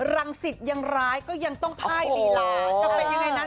รังสิตยังร้ายก็ยังต้องพ่ายลีลาจะเป็นยังไงนั้น